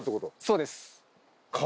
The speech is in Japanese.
そうです。